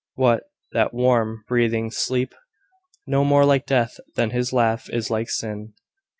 "What, that warm, breathing sleep! No more like death than his laugh is like sin."